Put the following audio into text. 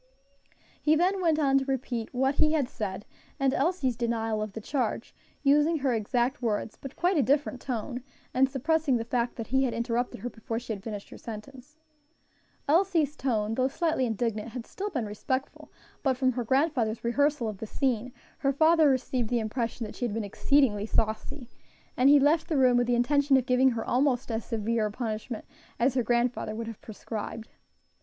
He then went on to repeat what he had said, and Elsie's denial of the charge, using her exact words, but quite a different tone, and suppressing the fact that he had interrupted her before she had finished her sentence. Elsie's tone, though slightly indignant, had still been respectful, but from her grandfather's rehearsal of the scene her father received the impression that she had been exceedingly saucy, and he left the room with the intention of giving her almost as severe a punishment as her grandfather would have prescribed.